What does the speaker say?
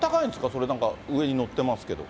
それなんか、上に載ってますけど。